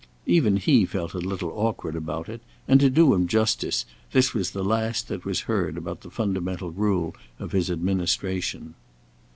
Even he felt a little awkward about it, and, to do him justice, this was the last that was heard about the fundamental rule of his administration.